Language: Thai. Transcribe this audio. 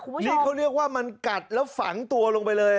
นี่เขาเรียกว่ามันกัดแล้วฝังตัวลงไปเลย